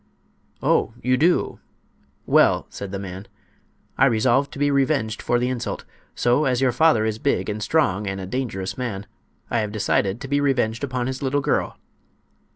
"Oh, you do? Well," said the man, "I resolved to be revenged for the insult. So, as your father is big and strong and a dangerous man, I have decided to be revenged upon his little girl."